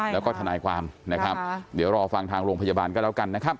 แล้วก็ทนายความนะครับเดี๋ยวรอฟังทางโรงพยาบาลก็แล้วกันนะครับ